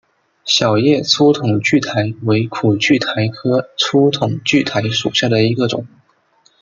小叶粗筒苣苔为苦苣苔科粗筒苣苔属下的一个种。